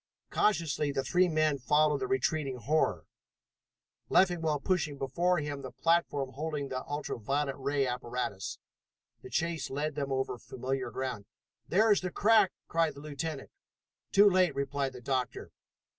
Cautiously the three men followed the retreating horror, Leffingwell pushing before him the platform holding the ultra violet ray apparatus. The chase led them over familiar ground. "There is the crack!" cried the lieutenant. "Too late!" replied the doctor.